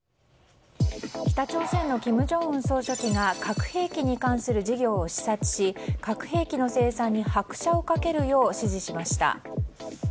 北朝鮮の金正恩総書記が核兵器に関する事業を視察し核兵器の生産に拍車をかけるよう指示しました。